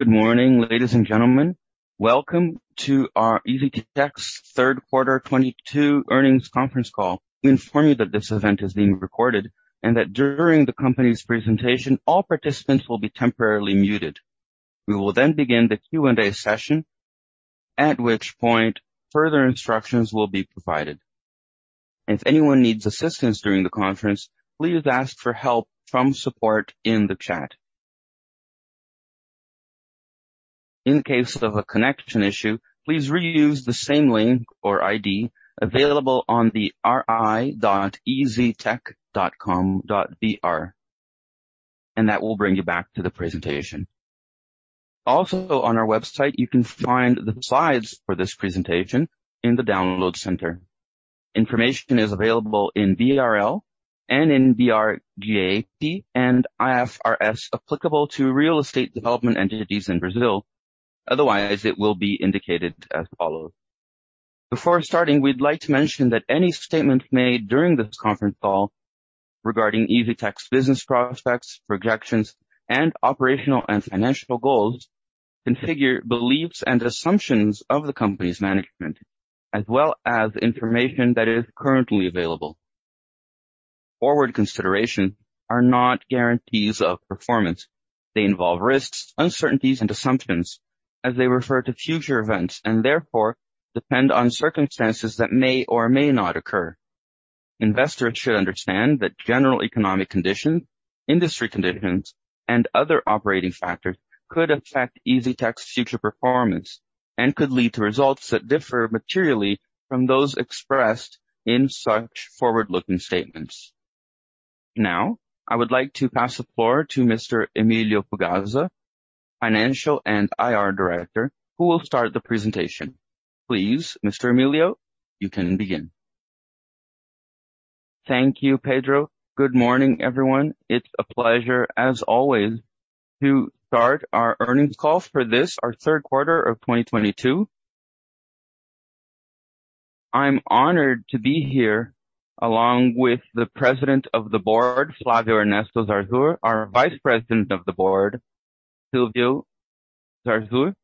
Good morning, ladies and gentlemen. Welcome to our EZTEC's Third Quarter 2022 Earnings Conference Call. We inform you that this event is being recorded and that during the company's presentation, all participants will be temporarily muted. We will then begin the Q&A session, at which point further instructions will be provided. If anyone needs assistance during the conference, please ask for help from support in the chat. In case of a connection issue, please reuse the same link or ID available on the ri.eztec.com.br and that will bring you back to the presentation. Also on our website, you can find the slides for this presentation in the download center. Information is available in BRL and in BR GAAP and IFRS applicable to real estate development entities in Brazil. Otherwise, it will be indicated as follows. Before starting, we'd like to mention that any statement made during this conference call regarding EZTEC's business prospects, projections, and operational and financial goals constitute beliefs and assumptions of the company's management, as well as information that is currently available. Forward-looking statements are not guarantees of performance. They involve risks, uncertainties, and assumptions as they refer to future events and therefore depend on circumstances that may or may not occur. Investors should understand that general economic conditions, industry conditions, and other operating factors could affect EZTEC's future performance and could lead to results that differ materially from those expressed in such forward-looking statements. Now, I would like to pass the floor to Mr. Emílio Fugazza, financial and IR director, who will start the presentation. Please, Mr. Emílio, you can begin. Thank you, Pedro. Good morning, everyone. It's a pleasure, as always, to start our earnings call for this, our third quarter of 2022. I'm honored to be here along with the President of the Board, Flávio Ernesto Zarzur, our Vice President of the Board, Silvio Zarzur,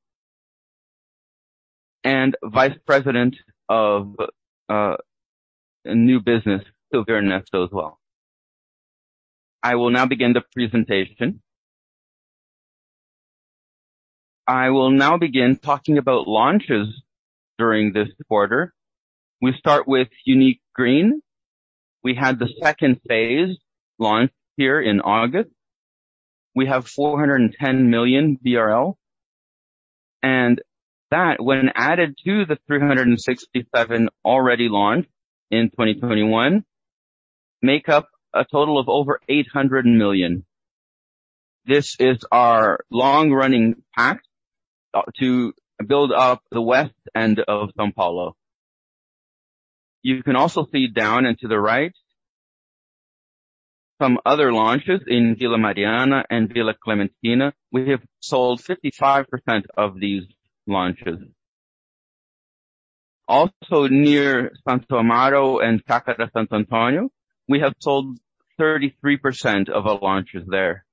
and Vice President of new business, Silvio Ernesto as well. I will now begin the presentation. I will now begin talking about launches during this quarter. We start with Unique Green. We had the second phase launched here in August. We have 410 million BRL, and that when added to the 367 already launched in 2021, make up a total of over 800 million. This is our long-running pact to build up the west end of São Paulo. You can also see down and to the right some other launches in Vila Mariana and Vila Clementino. We have sold 55% of these launches. Also near Santo Amaro and Chácara Santo Antônio, we have sold 33% of our launches there.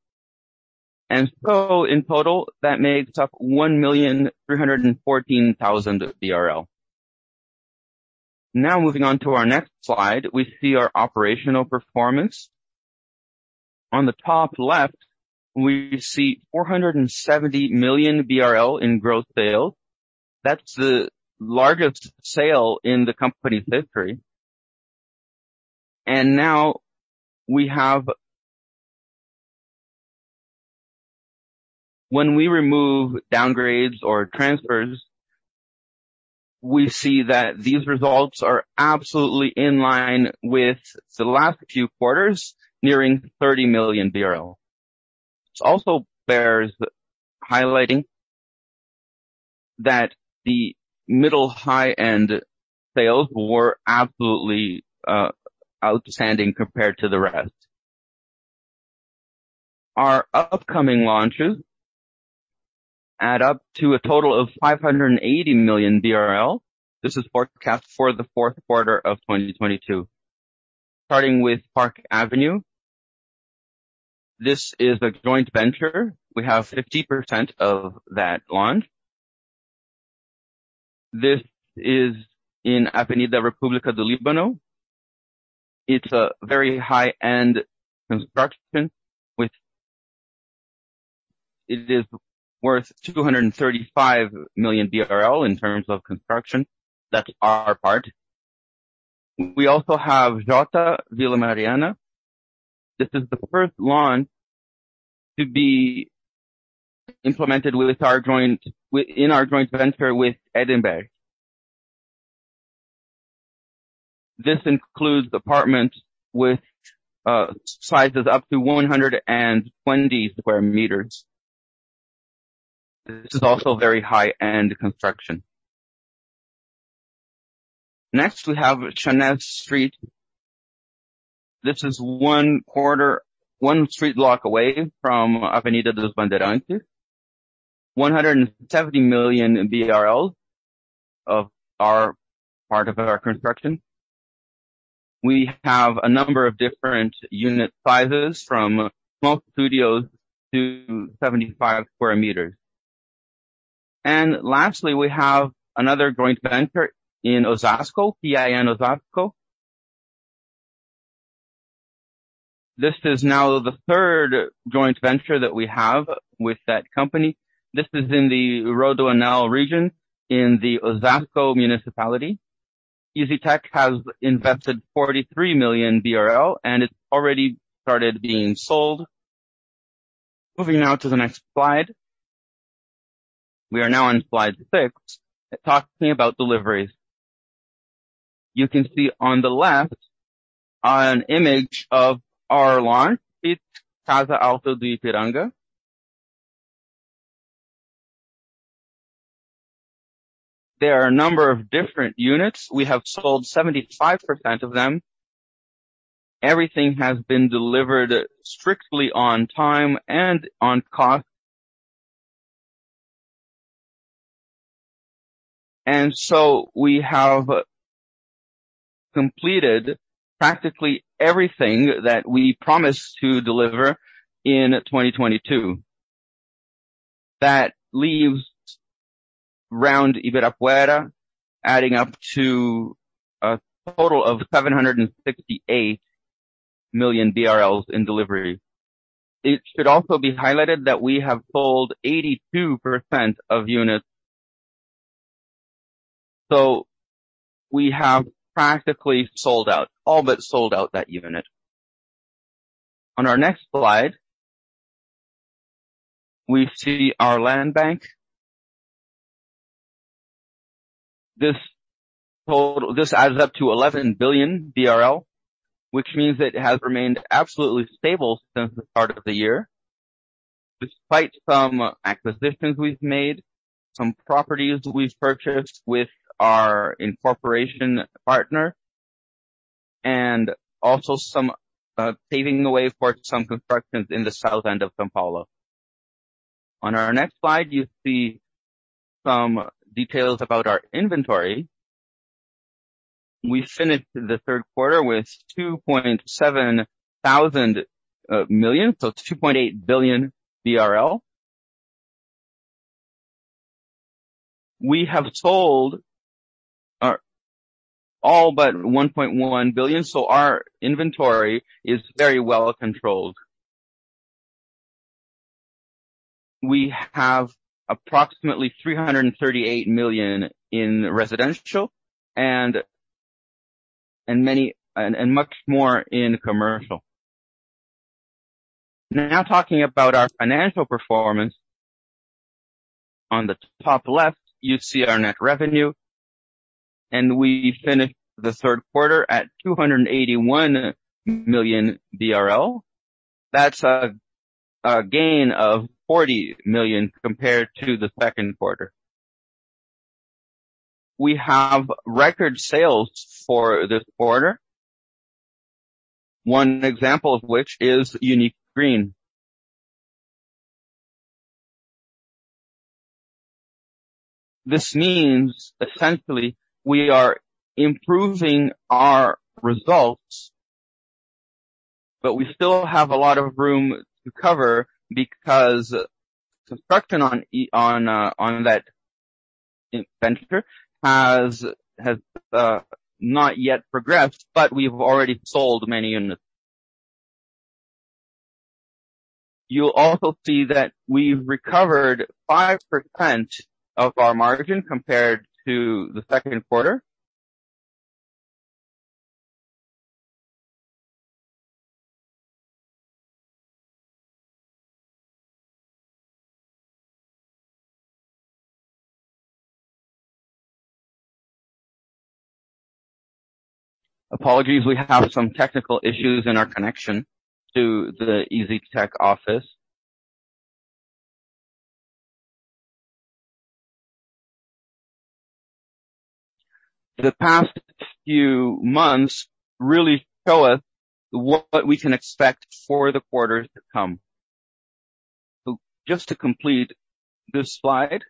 In total, that makes up 1,314,000 BRL. Now moving on to our next slide, we see our operational performance. On the top left, we see 470 million BRL in gross sales. That's the largest sale in the company's history. When we remove downgrades or transfers, we see that these results are absolutely in line with the last few quarters, nearing 30 million. It also bears highlighting that the middle high-end sales were absolutely outstanding compared to the rest. Our upcoming launches add up to a total of 580 million BRL. This is forecast for the fourth quarter of 2022. Starting with Park Avenue. This is a joint venture. We have 50% of that launch. This is in Avenida República do Líbano. It's a very high-end construction. It is worth 235 million BRL in terms of construction. That's our part. We also have Jota Vila Mariana. This is the first launch to be implemented in our joint venture with Lindenberg. This includes apartments with sizes up to 120 square meters. This is also very high-end construction. Next, we have Chanés Street. This is one street block away from Avenida dos Bandeirantes. 170 million BRL of our part of our construction. We have a number of different unit sizes from small studios to 75 square meters. Lastly, we have another joint venture in Osasco, Pin Osasco. This is now the third joint venture that we have with that company. This is in the Rodanel region in the Osasco municipality. EZTEC has invested 43 million BRL, and it's already started being sold. Moving now to the next slide. We are now on slide 6, talking about deliveries. You can see on the left an image of our launch, it's Fit Casa Alto do Ipiranga. There are a number of different units. We have sold 75% of them. Everything has been delivered strictly on time and on cost. We have completed practically everything that we promised to deliver in 2022. That leaves around Ibirapuera, adding up to a total of 768 million BRL in delivery. It should also be highlighted that we have sold 82% of units. We have practically sold out, all but sold out that unit. On our next slide, we see our land bank. This adds up to 11 billion, which means it has remained absolutely stable since the start of the year, despite some acquisitions we've made, some properties we've purchased with our incorporation partner, and also some paving the way for some constructions in the south end of São Paulo. On our next slide, you see some details about our inventory. We finished the third quarter with 2.7 thousand million, so it's 2.8 billion BRL. We have sold all but 1.1 billion, so our inventory is very well controlled. We have approximately 338 million in residential and much more in commercial. Now talking about our financial performance. On the top left, you see our net revenue, and we finished the third quarter at 281 million BRL. That's a gain of 40 million compared to the second quarter. We have record sales for this quarter. One example of which is Unique Green. This means essentially we are improving our results, but we still have a lot of room to cover because construction on that venture has not yet progressed, but we've already sold many units. You'll also see that we've recovered 5% of our margin compared to the second quarter. Apologies, we have some technical issues in our connection to the EZTEC office. The past few months really show us what we can expect for the quarters to come. Just to complete this slide.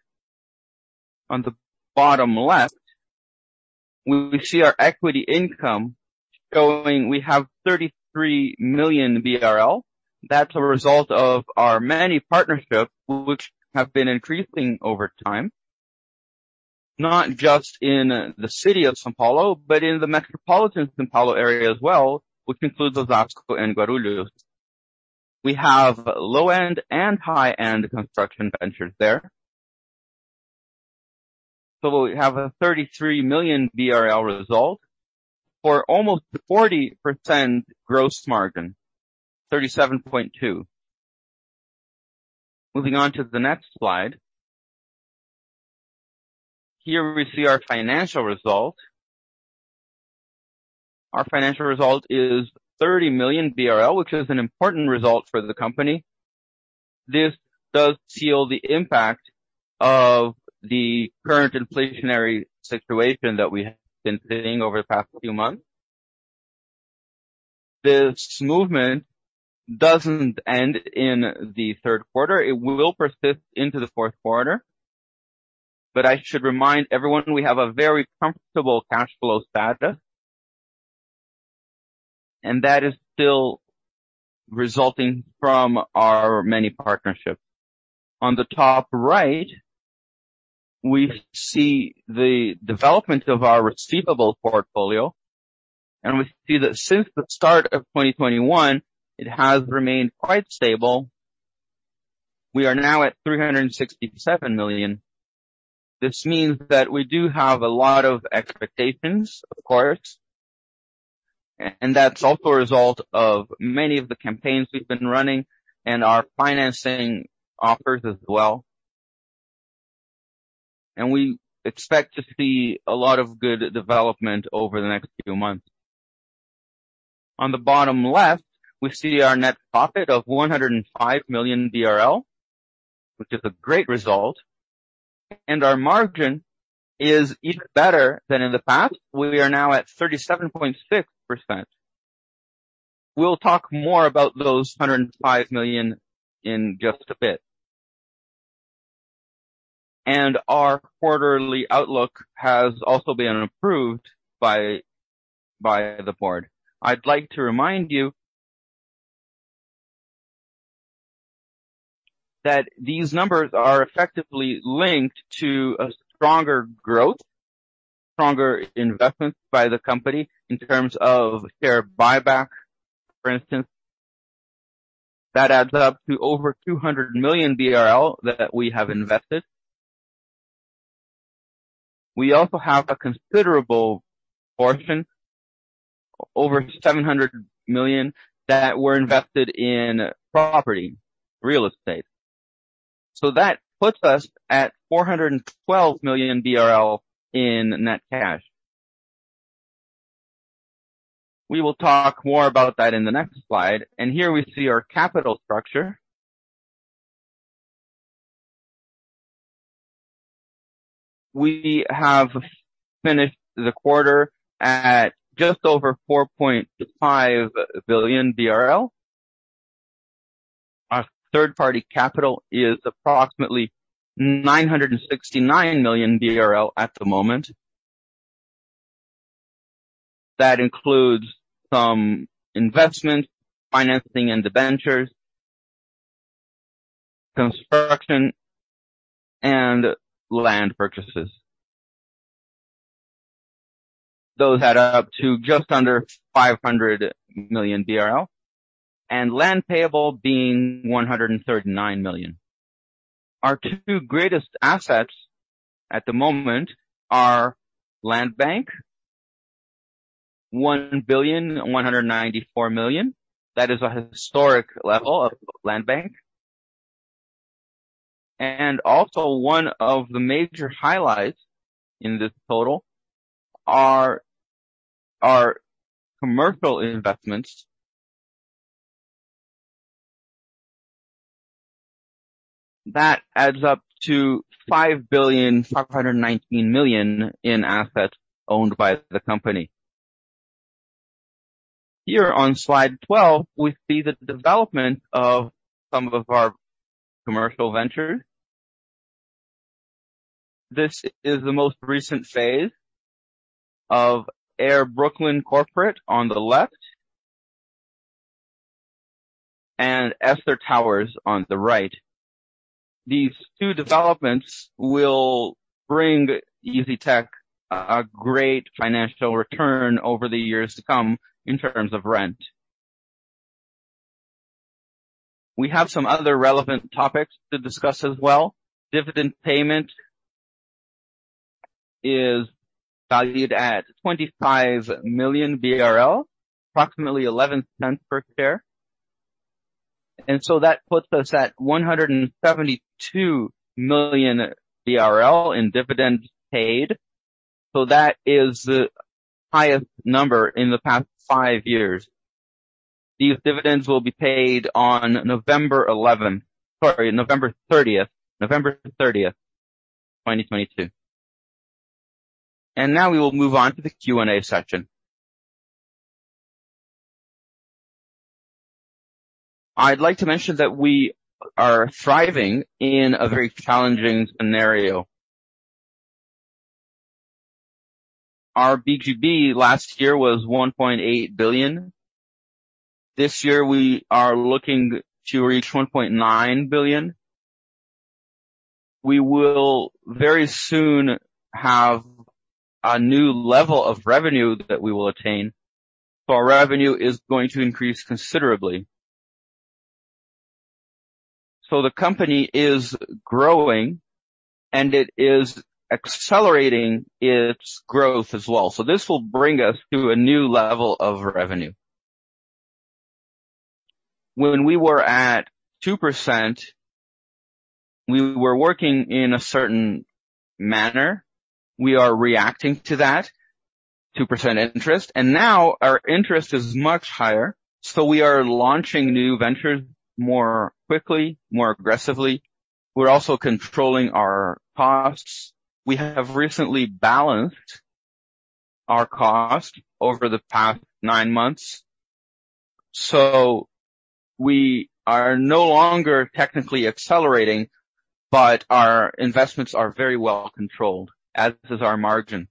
On the bottom left, we see our equity income showing we have 33 million BRL. That's a result of our many partnerships which have been increasing over time, not just in the city of São Paulo, but in the metropolitan São Paulo area as well, which includes Osasco and Guarulhos. We have low-end and high-end construction ventures there. We have a 33 million BRL result for almost 40% gross margin, 37.2%. Moving on to the next slide. Here we see our financial result. Our financial result is 30 million BRL, which is an important result for the company. This does seal the impact of the current inflationary situation that we have been seeing over the past few months. This movement doesn't end in the third quarter. It will persist into the fourth quarter. I should remind everyone, we have a very comfortable cash flow status. That is still resulting from our many partnerships. On the top right, we see the development of our receivable portfolio, and we see that since the start of 2021 it has remained quite stable. We are now at 367 million. This means that we do have a lot of expectations, of course. And that's also a result of many of the campaigns we've been running and our financing offers as well. We expect to see a lot of good development over the next few months. On the bottom left, we see our net profit of 105 million BRL, which is a great result. Our margin is even better than in the past. We are now at 37.6%. We'll talk more about those 105 million in just a bit. Our quarterly outlook has also been approved by the board. I'd like to remind you that these numbers are effectively linked to a stronger growth, stronger investments by the company in terms of share buyback, for instance. That adds up to over 200 million BRL that we have invested. We also have a considerable portion, over 700 million, that were invested in property, real estate. That puts us at 412 million BRL in net cash. We will talk more about that in the next slide. Here we see our capital structure. We have finished the quarter at just over 4.5 billion BRL. Our third-party capital is approximately 969 million BRL at the moment. That includes some investments, financing and debentures, construction, and land purchases. Those add up to just under 500 million BRL. Land payable being 139 million. Our two greatest assets at the moment are Landbank, 1.194 billion. That is a historic level of Landbank. Also one of the major highlights in this total are our commercial investments. That adds up to 5.519 billion in assets owned by the company. Here on Slide 12, we see the development of some of our commercial ventures. This is the most recent phase of Air Brooklin on the left and Esther Towers on the right. These two developments will bring EZTEC a great financial return over the years to come in terms of rent. We have some other relevant topics to discuss as well. Dividend payment is valued at 25 million BRL, approximately 11 cents per share. That puts us at 172 million BRL in dividends paid. That is the highest number in the past five years. These dividends will be paid on November 30, 2022. Now we will move on to the Q&A section. I'd like to mention that we are thriving in a very challenging scenario. Our VGV last year was 1.8 billion. This year we are looking to reach 1.9 billion. We will very soon have a new level of revenue that we will attain. Our revenue is going to increase considerably. The company is growing, and it is accelerating its growth as well. This will bring us to a new level of revenue. When we were at 2%, we were working in a certain manner. We are reacting to that 2% interest, and now our interest is much higher. We are launching new ventures more quickly, more aggressively. We're also controlling our costs. We have recently balanced our cost over the past nine months. We are no longer technically accelerating, but our investments are very well controlled, as is our margin.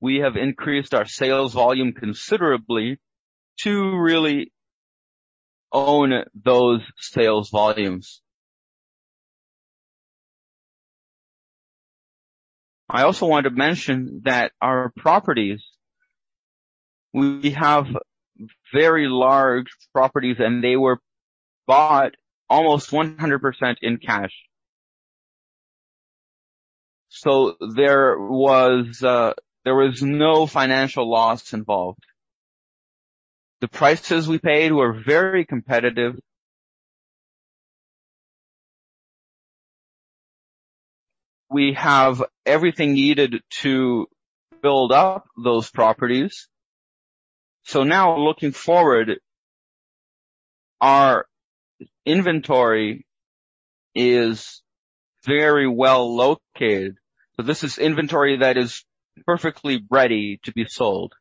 We have increased our sales volume considerably to really own those sales volumes. I also want to mention that our properties, we have very large properties, and they were bought almost 100% in cash. There was no financial loss involved. The prices we paid were very competitive. We have everything needed to build up those properties. Now looking forward, our inventory is very well located. This is inventory that is perfectly ready to be sold.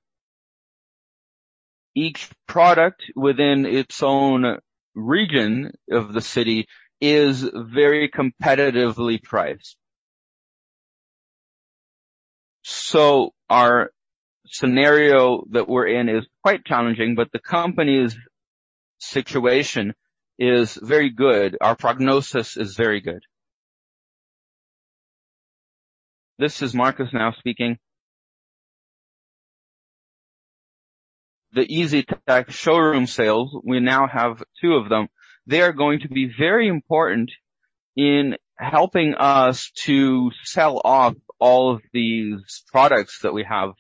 Each product within its own region of the city is very competitively priced. Our scenario that we're in is quite challenging, but the company's situation is very good. Our prognosis is very good. This is Marcos now speaking. The EZTEC showroom sales, we now have two of them. They are going to be very important in helping us to sell off all of these products that we have.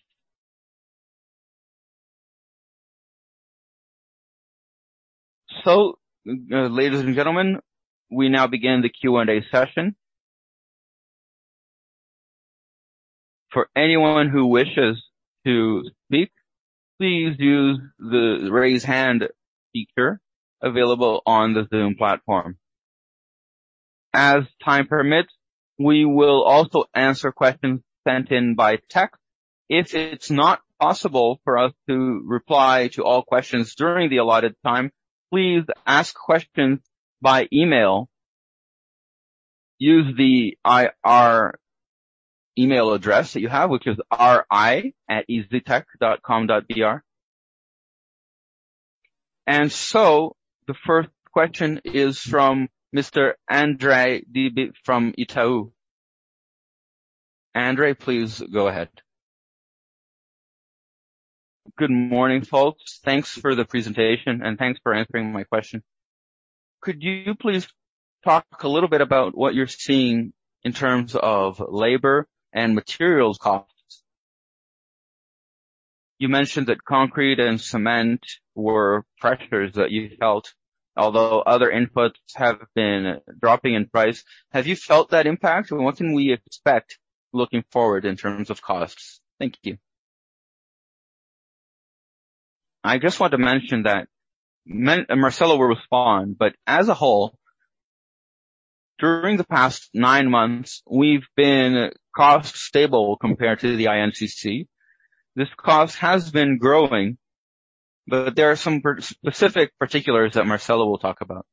Ladies and gentlemen, we now begin the Q&A session. For anyone who wishes to speak, please use the Raise Hand feature available on the Zoom platform. As time permits, we will also answer questions sent in by text. If it's not possible for us to reply to all questions during the allotted time, please ask questions by email. Use the IR email address that you have, which is ri@eztec.com.br. The first question is from Mr. André Dibe from Itaú. André, please go ahead. Good morning, folks. Thanks for the presentation, and thanks for answering my question. Could you please talk a little bit about what you're seeing in terms of labor and materials costs? You mentioned that concrete and cement were pressures that you felt, although other inputs have been dropping in price. Have you felt that impact? And what can we expect looking forward in terms of costs? Thank you. I just want to mention that—Marcelo will respond, but as a whole, during the past nine months, we've been cost stable compared to the INCC. This cost has been growing, but there are some specific particulars that Marcelo will talk about.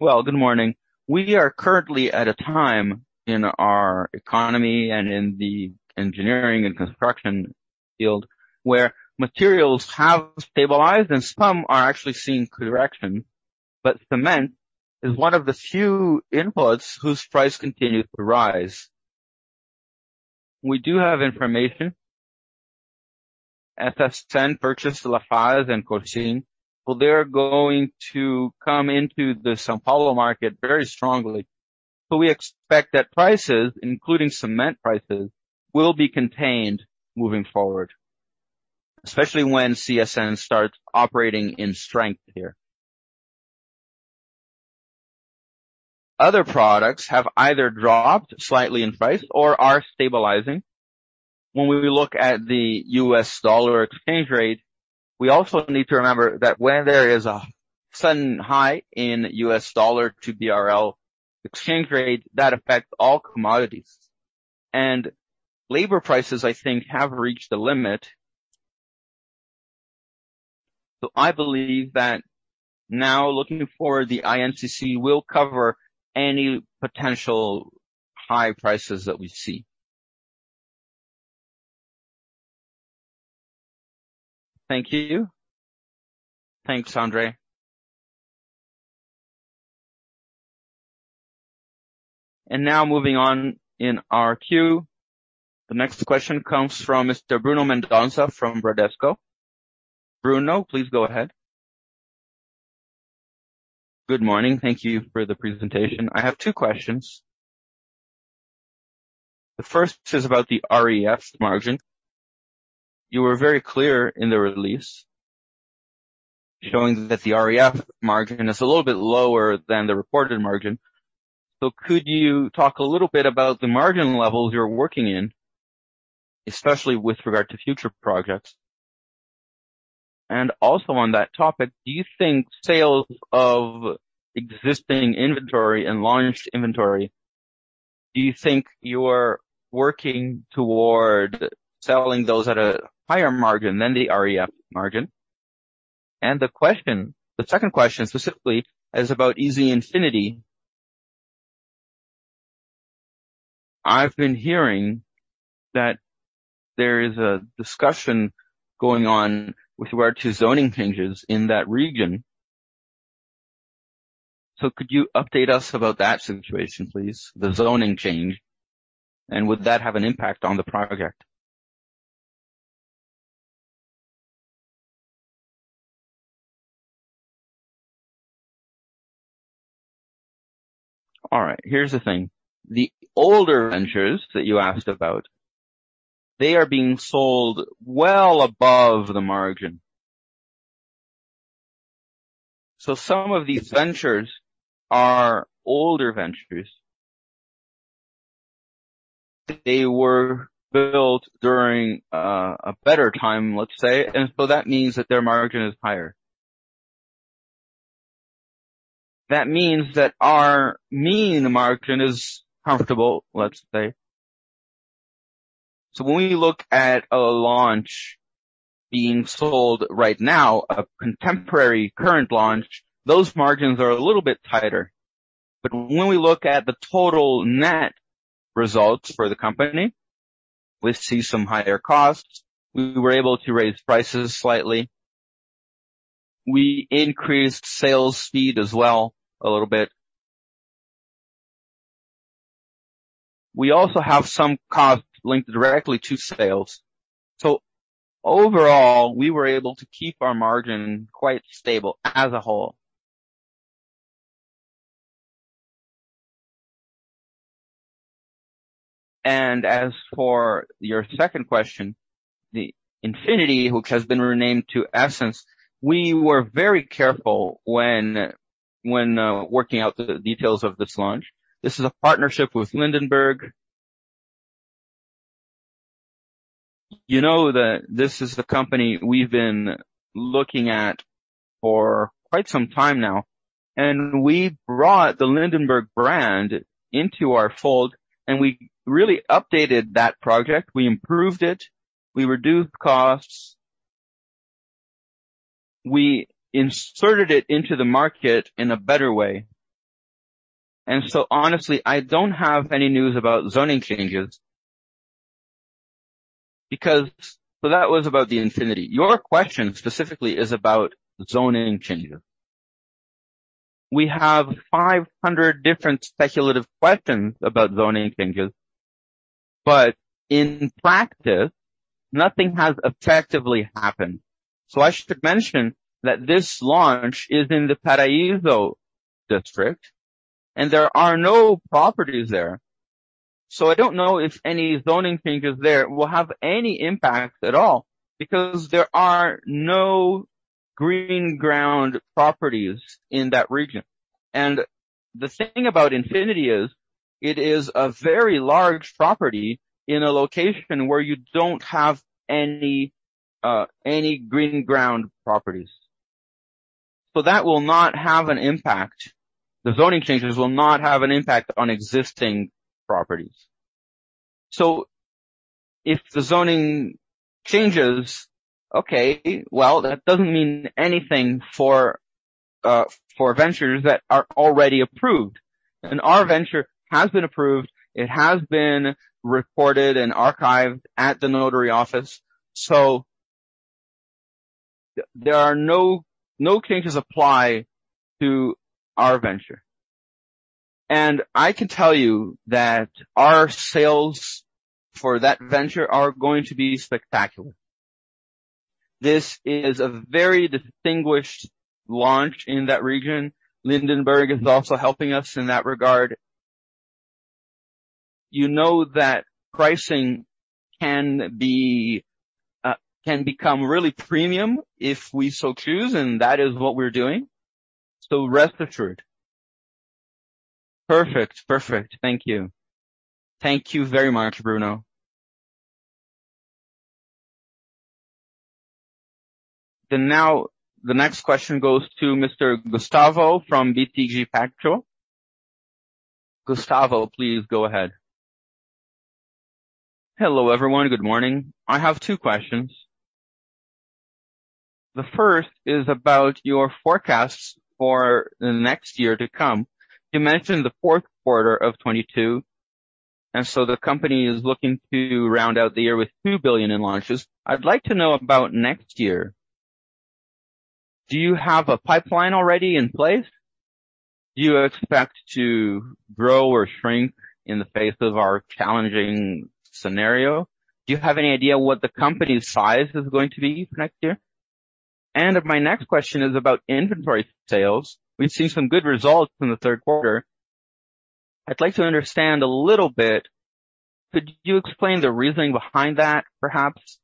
Well, good morning. We are currently at a time in our economy and in the engineering and construction field where materials have stabilized and some are actually seeing correction. Cement is one of the few inputs whose price continues to rise. We do have information. CSN purchased Lafarge and Holcim. They're going to come into the São Paulo market very strongly. We expect that prices, including cement prices, will be contained moving forward, especially when CSN starts operating in strength here. Other products have either dropped slightly in price or are stabilizing. When we look at the US dollar exchange rate, we also need to remember that when there is a sudden high in US dollar to BRL exchange rate, that affects all commodities. Labor prices, I think, have reached a limit. I believe that now looking forward, the INCC will cover any potential high prices that we see. Thank you. Thanks, André. Now moving on in our queue. The next question comes from Mr. Bruno Mendonça from Bradesco. Bruno, please go ahead. Good morning. Thank you for the presentation. I have two questions. The first is about the REF margin. You were very clear in the release showing that the REF margin is a little bit lower than the reported margin. Could you talk a little bit about the margin levels you're working in, especially with regard to future projects? Also on that topic, do you think you're working toward selling those at a higher margin than the REF margin? The question, the second question specifically is about EZ Infinity. I've been hearing that there is a discussion going on with regard to zoning changes in that region. Could you update us about that situation, please? The zoning change, and would that have an impact on the project? All right, here's the thing. The older ventures that you asked about, they are being sold well above the margin. Some of these ventures are older ventures. They were built during a better time, let's say, and so that means that their margin is higher. That means that our mean margin is comfortable, let's say. When we look at a launch being sold right now, a contemporary current launch, those margins are a little bit tighter. When we look at the total net results for the company, we see some higher costs. We were able to raise prices slightly. We increased sales speed as well a little bit. We also have some costs linked directly to sales. Overall, we were able to keep our margin quite stable as a whole. As for your second question, the Infinity, which has been renamed to Essence, we were very careful when working out the details of this launch. This is a partnership with Lindenberg. You know that this is the company we've been looking at for quite some time now, and we brought the Lindenberg brand into our fold, and we really updated that project. We improved it. We reduced costs. We inserted it into the market in a better way. Honestly, I don't have any news about zoning changes. That was about the Infinity. Your question specifically is about zoning changes. We have 500 different speculative questions about zoning changes, but in practice, nothing has effectively happened. I should mention that this launch is in the Paraíso district, and there are no properties there. I don't know if any zoning changes there will have any impact at all because there are no greenfield properties in that region. The thing about Infinity is, it is a very large property in a location where you don't have any greenfield properties. That will not have an impact. The zoning changes will not have an impact on existing properties. If the zoning changes, well, that doesn't mean anything for ventures that are already approved. Our venture has been approved. It has been recorded and archived at the notary office. There are no changes apply to our venture. I can tell you that our sales for that venture are going to be spectacular. This is a very distinguished launch in that region. Lindenberg is also helping us in that regard. You know that pricing can become really premium if we so choose, and that is what we're doing. So rest assured. Perfect. Thank you. Thank you very much, Bruno. Now the next question goes to Mr. Gustavo from BTG Pactual. Gustavo, please go ahead. Hello, everyone. Good morning. I have two questions. The first is about your forecasts for the next year to come. You mentioned the fourth quarter of 2022, so the company is looking to round out the year with 2 billion in launches. I'd like to know about next year. Do you have a pipeline already in place? Do you expect to grow or shrink in the face of our challenging scenario? Do you have any idea what the company's size is going to be next year? My next question is about inventory sales. We've seen some good results in the third quarter. I'd like to understand a little bit. Could you explain the reasoning behind that, perhaps?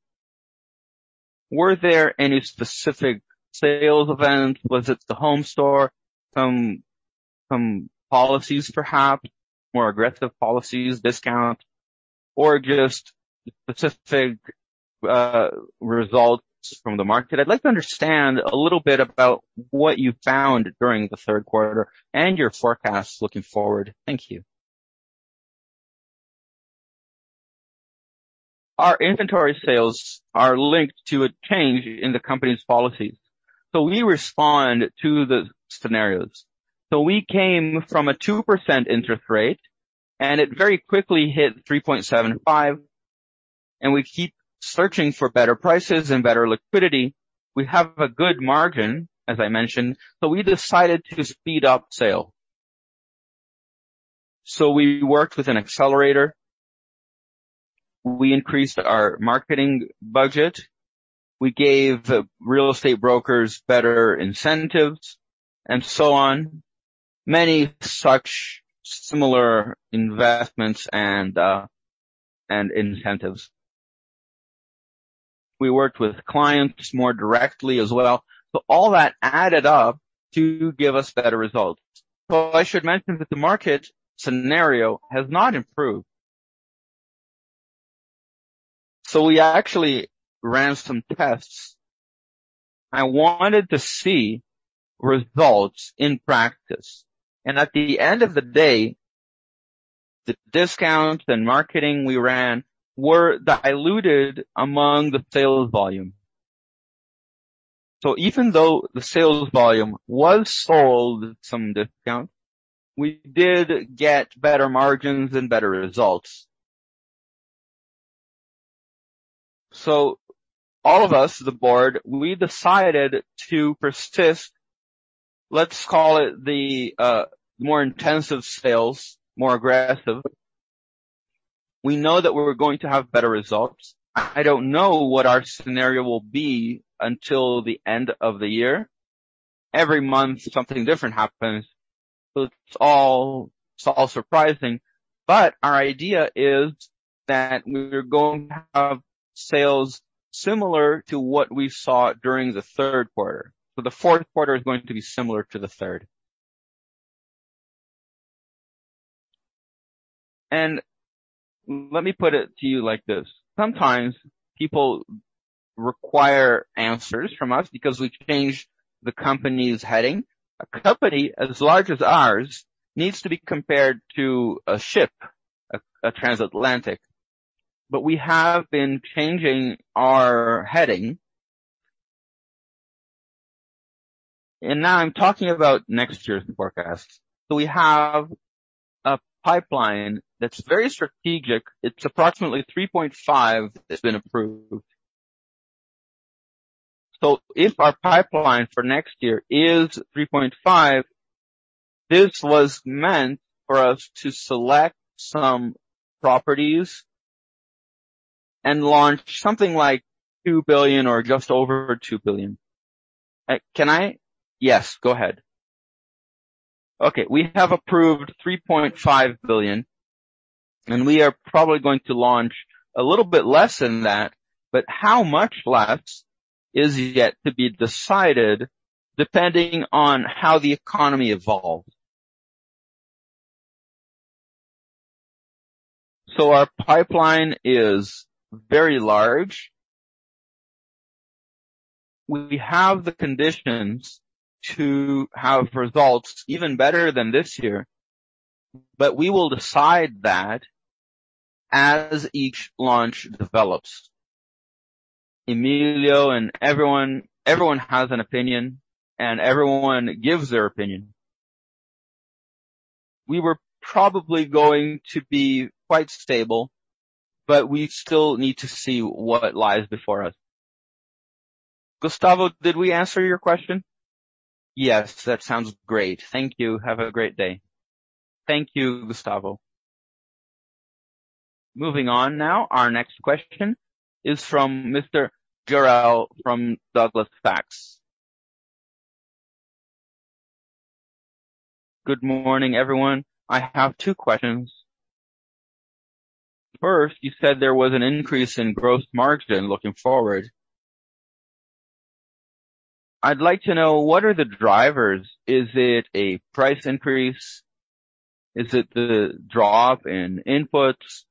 Were there any specific sales events? Was it the home store? Some policies, perhaps? More aggressive policies, discount? Or just specific results from the market. I'd like to understand a little bit about what you found during the third quarter and your forecast looking forward? Thank you. Our inventory sales are linked to a change in the company's policies. We respond to the scenarios. We came from a 2% interest rate, and it very quickly hit 3.75%. We keep searching for better prices and better liquidity. We have a good margin, as I mentioned, so we decided to speed up sale. We worked with an accelerator. We increased our marketing budget. We gave real estate brokers better incentives and so on. Many such similar investments and incentives. We worked with clients more directly as well. All that added up to give us better results. I should mention that the market scenario has not improved. We actually ran some tests. I wanted to see results in practice. At the end of the day, the discount and marketing we ran were diluted among the sales volume. Even though the sales volume was sold at some discount, we did get better margins and better results. All of us, the board, we decided to persist, let's call it the more intensive sales, more aggressive. We know that we're going to have better results. I don't know what our scenario will be until the end of the year. Every month, something different happens. It's all surprising. Our idea is that we're going to have sales similar to what we saw during the third quarter. The fourth quarter is going to be similar to the third. Let me put it to you like this. Sometimes people require answers from us because we changed the company's heading. A company as large as ours needs to be compared to a ship, a transatlantic. We have been changing our heading. Now I'm talking about next year's forecast. We have a pipeline that's very strategic. It's approximately 3.5 billion has been approved. If our pipeline for next year is 3.5 billion, this was meant for us to select some properties and launch something like 2 billion or just over 2 billion. Can I? Yes, go ahead. Okay, we have approved 3.5 billion, and we are probably going to launch a little bit less than that, but how much less is yet to be decided depending on how the economy evolves. Our pipeline is very large. We have the conditions to have results even better than this year, but we will decide that as each launch develops. Emílio and everyone has an opinion, and everyone gives their opinion. We were probably going to be quite stable, but we still need to see what lies before us. Gustavo, did we answer your question? Yes, that sounds great. Thank you. Have a great day. Thank you, Gustavo. Moving on now. Our next question is from Mr. Jorel from Goldman Sachs. Good morning, everyone. I have two questions. First, you said there was an increase in gross margin looking forward. I'd like to know what are the drivers? Is it a price increase? Is it the drop in inputs?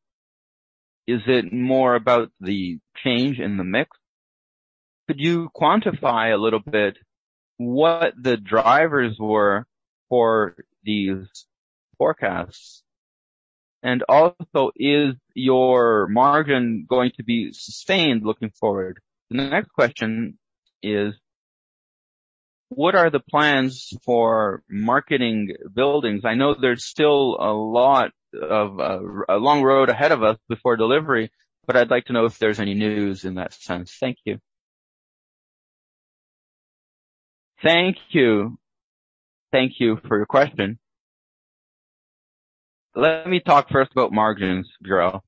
Is it more about the change in the mix? Could you quantify a little bit what the drivers were for these forecasts? And also, is your margin going to be sustained looking forward? And the next question is, what are the plans for marketing buildings? I know there's still a lot of a long road ahead of us before delivery, but I'd like to know if there's any news in that sense. Thank you. Thank you for your question. Let me talk first about margins, Jorel.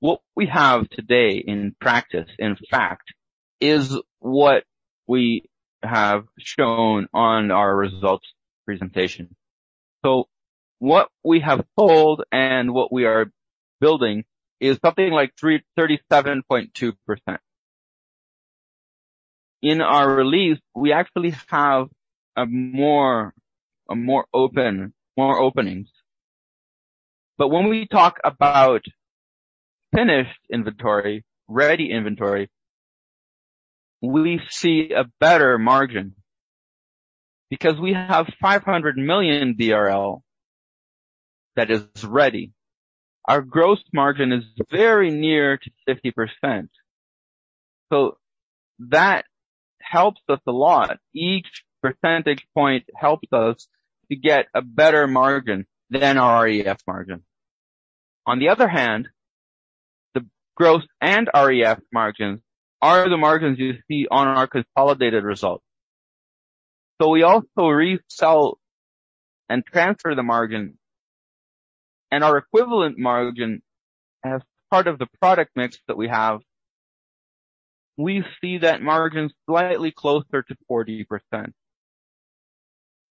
What we have today in practice, in fact, is what we have shown on our results presentation. What we have sold and what we are building is something like 37.2%. In our release, we actually have a more open, more openings. When we talk about finished inventory, ready inventory, we see a better margin. Because we have 500 million that is ready. Our gross margin is very near to 50%. That helps us a lot. Each percentage point helps us to get a better margin than our REF margin. On the other hand, the gross and REF margins are the margins you see on our consolidated results. We also resell and transfer the margin, and our equivalent margin as part of the product mix that we have, we see that margin slightly closer to 40%.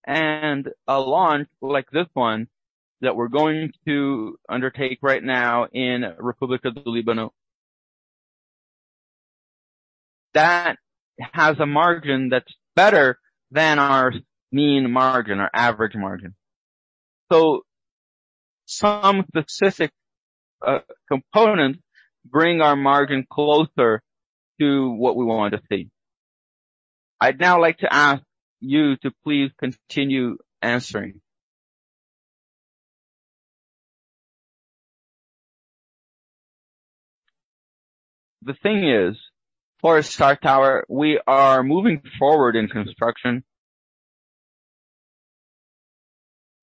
A launch like this one that we're going to undertake right now in República do Líbano, that has a margin that's better than our mean margin, our average margin. Some specific components bring our margin closer to what we wanted to see. I'd now like to ask you to please continue answering. The thing is, for Esther Towers, we are moving forward in construction.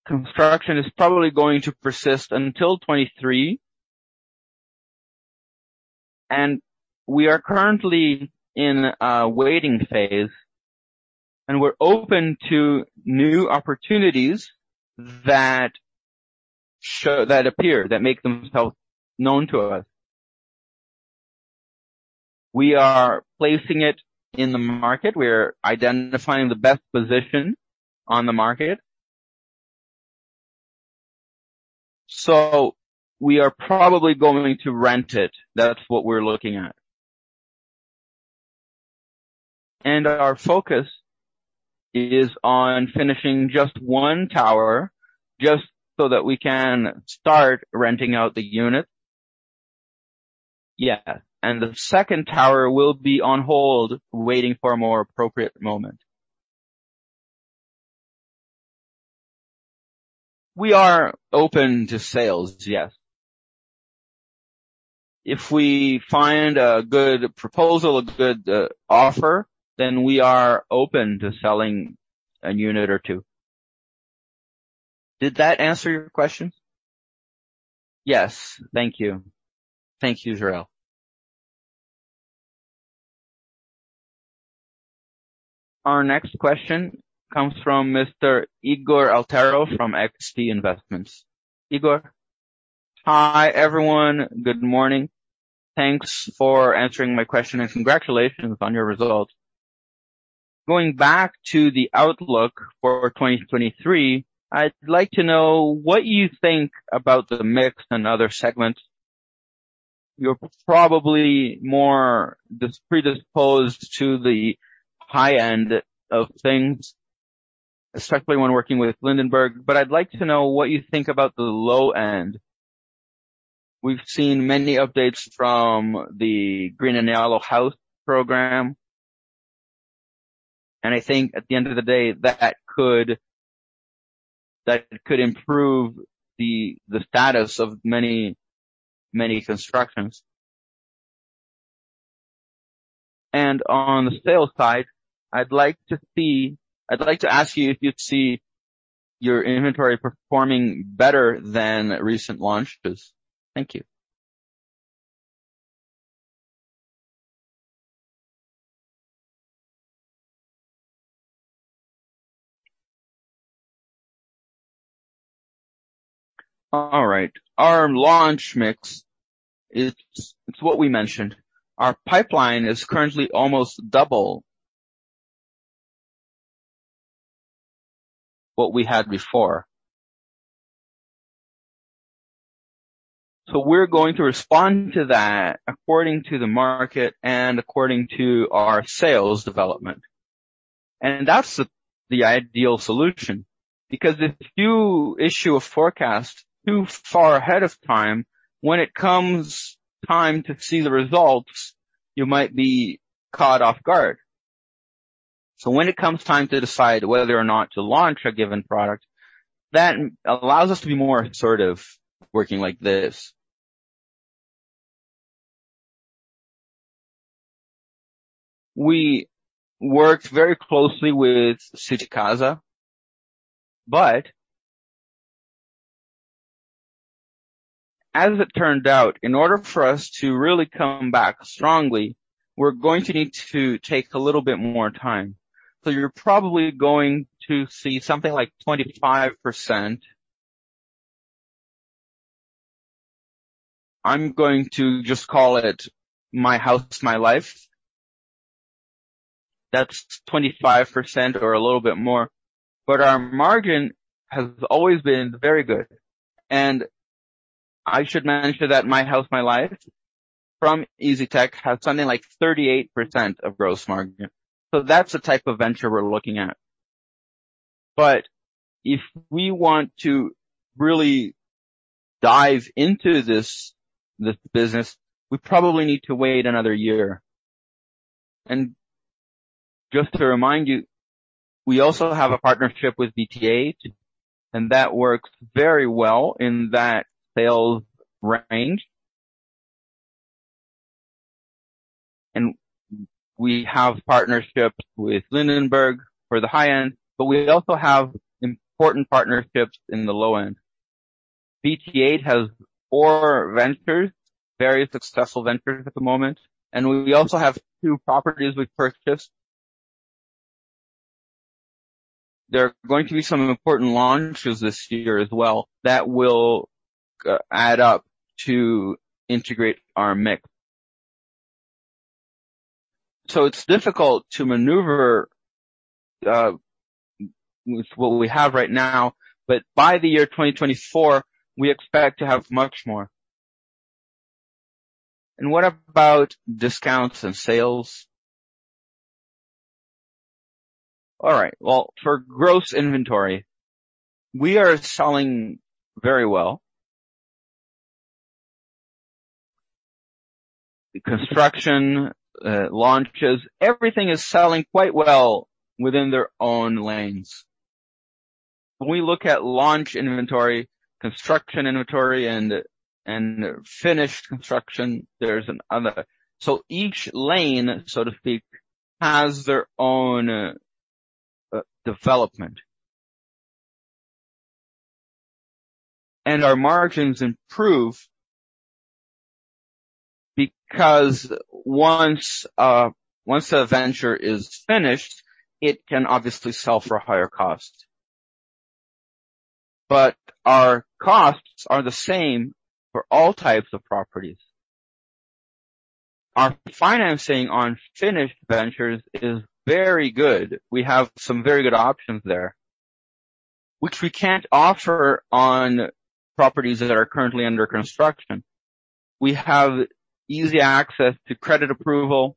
Construction is probably going to persist until 2023. We are currently in a waiting phase, and we're open to new opportunities that appear, that make themselves known to us. We are placing it in the market. We're identifying the best position on the market. We are probably going to rent it. That's what we're looking at. Our focus is on finishing just one tower, just so that we can start renting out the units. Yeah. The second tower will be on hold, waiting for a more appropriate moment. We are open to sales, yes. If we find a good proposal, a good offer, then we are open to selling a unit or two. Did that answer your question? Yes. Thank you. Thank you, Jorel. Our next question comes from Mr. Ygor Alteiro from XP Inc. Ygor? Hi, everyone. Good morning. Thanks for answering my question, and congratulations on your results. Going back to the outlook for 2023, I'd like to know what you think about the mix and other segments. You're probably more predisposed to the high end of things, especially when working with Lindenberg, but I'd like to know what you think about the low end. We've seen many updates from the Green and Yellow House Program. I think at the end of the day, that could improve the status of many constructions. On the sales side, I'd like to ask you if you'd see your inventory performing better than recent launches. Thank you. All right. Our launch mix, it's what we mentioned. Our pipeline is currently almost double what we had before. We're going to respond to that according to the market and according to our sales development. That's the ideal solution, because if you issue a forecast too far ahead of time, when it comes time to see the results, you might be caught off guard. When it comes time to decide whether or not to launch a given product, that allows us to be more sort of working like this. We worked very closely with Fit Casa, but as it turned out, in order for us to really come back strongly, we're going to need to take a little bit more time. You're probably going to see something like 25%. I'm going to just call it My House, My Life. That's 25% or a little bit more. Our margin has always been very good. I should mention that My House, My Life from EZTEC had something like 38% of gross margin. That's the type of venture we're looking at. If we want to really dive into this business, we probably need to wait another year. Just to remind you, we also have a partnership with BP8, and that works very well in that sales range. We have partnerships with Lindenberg for the high-end, but we also have important partnerships in the low end. BP8 has 4 ventures, very successful ventures at the moment, and we also have 2 properties we've purchased. There are going to be some important launches this year as well that will add up to integrate our mix. It's difficult to maneuver with what we have right now, but by the year 2024, we expect to have much more. What about discounts and sales? All right. Well, for gross inventory, we are selling very well. Construction launches, everything is selling quite well within their own lanes. When we look at launch inventory, construction inventory and finished construction, there's another. Each lane, so to speak, has their own development. Our margins improve because once a venture is finished, it can obviously sell for a higher cost. Our costs are the same for all types of properties. Our financing on finished ventures is very good. We have some very good options there, which we can't offer on properties that are currently under construction. We have easy access to credit approval.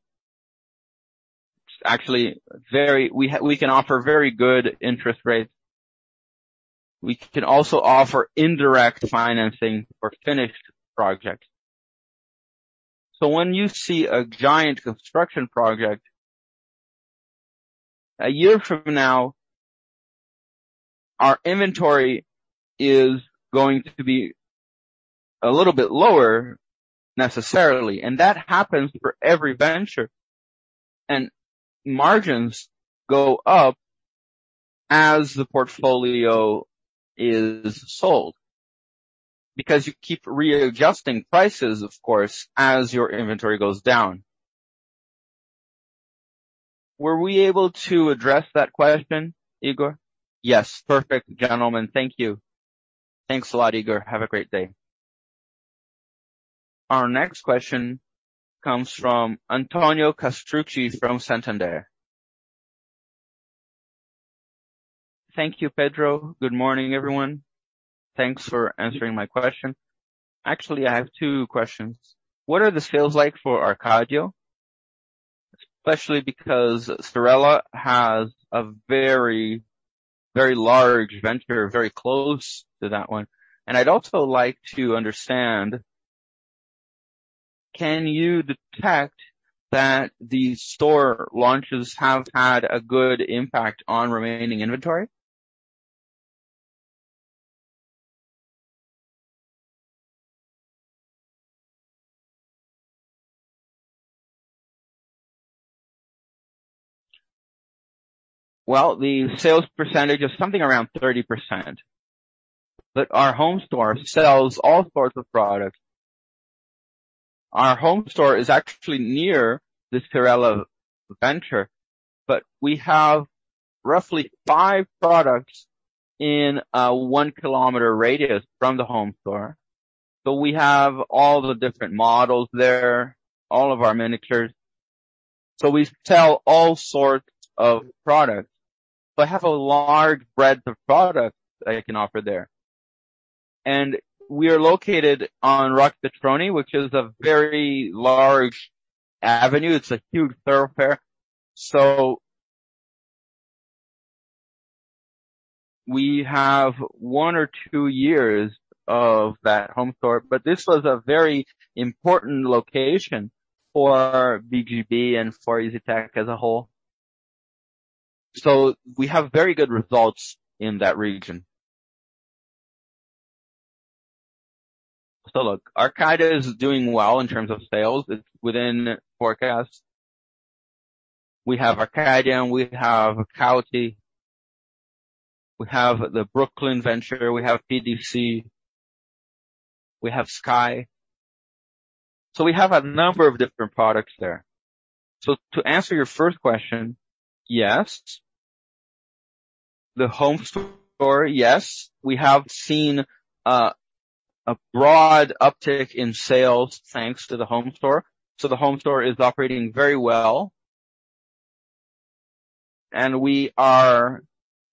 It's actually very good. We can offer very good interest rates. We can also offer indirect financing for finished projects. When you see a giant construction project, a year from now, our inventory is going to be a little bit lower necessarily, and that happens for every venture. Margins go up as the portfolio is sold. Because you keep readjusting prices, of course, as your inventory goes down. Were we able to address that question, Ygor? Yes. Perfect, gentlemen. Thank you. Thanks a lot, Ygor. Have a great day. Our next question comes from Antonio Castrucci from Santander. Thank you, Pedro. Good morning, everyone. Thanks for answering my question. Actually, I have two questions. What are the sales like for Arkadio? Especially because Cyrela has a very, very large venture, very close to that one. And I'd also like to understand, can you detect that the store launches have had a good impact on remaining inventory? Well, the sales percentage is something around 30%. Our home store sells all sorts of products. Our home store is actually near this Cyrela venture, but we have roughly five products in a one-kilometer radius from the home store. We have all the different models there, all of our miniatures. We sell all sorts of products. I have a large breadth of products I can offer there. We are located on Avenida Roque Petroni, which is a very large avenue. It's a huge thoroughfare. We have one or two years of that home store. This was a very important location for VGV and for EZTEC as a whole. We have very good results in that region. Look, Arkadio is doing well in terms of sales. It's within forecast. We have Arkadio, and we have Haute. We have the Brooklin, we have PDC, we have Sky. We have a number of different products there. To answer your first question, yes. The home store, yes. We have seen a broad uptick in sales thanks to the home store. The home store is operating very well. We are